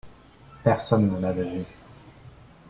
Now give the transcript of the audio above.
Personne ne l’avait vu.